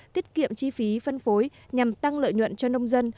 tiết kiệm chi phí phân phối nhằm tăng lợi nhuận cho nông dân